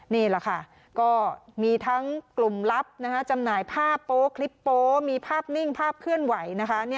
นี่แหละค่ะก็มีทั้งกลุ่มลับจำหน่ายภาพโป๊คลิปโป๊มีภาพนิ่งภาพเคลื่อนไหวนะคะ